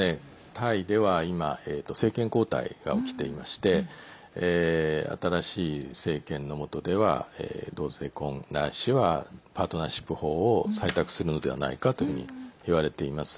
タイでは今政権交代が起きていまして新しい政権の下では同性婚ないしはパートナーシップ法を採択するのではないかといわれています。